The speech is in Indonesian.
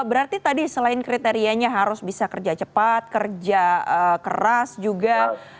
berarti tadi selain kriterianya harus bisa kerja cepat kerja keras juga